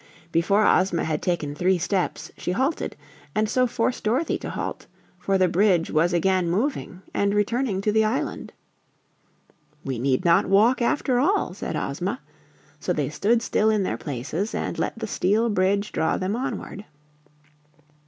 Before Ozma had taken three steps she halted and so forced Dorothy to halt, for the bridge was again moving and returning to the island. "We need not walk after all," said Ozma. So they stood still in their places and let the steel bridge draw them onward.